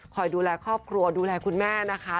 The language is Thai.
ดูแลครอบครัวดูแลคุณแม่นะคะ